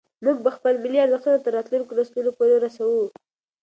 موږ به خپل ملي ارزښتونه تر راتلونکو نسلونو پورې رسوو.